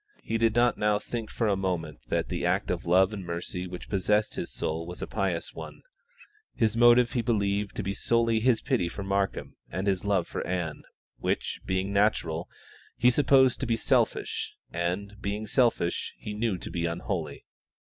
He did not now think for a moment that the act of love and mercy which possessed his soul was a pious one; his motive he believed to be solely his pity for Markham and his love for Ann, which, being natural, he supposed to be selfish, and, being selfish, he knew to be unholy.